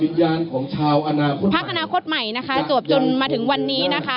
ยินยานของชาวอนาคตของภักดิ์ข้ะปรากฎใหม่นะคะจวบจนมาถึงวันนี้นะคะ